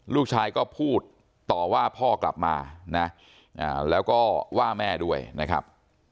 ลูกชายก็พูดต่อว่าพ่อกลับมานะแล้วก็ว่าแม่ด้วยนะครับ